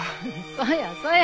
そやそや。